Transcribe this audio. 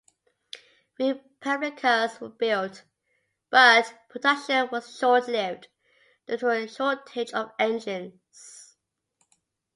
Replicas were built, but production was short-lived due to a shortage of engines.